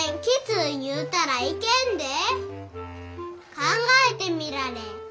考えてみられえ。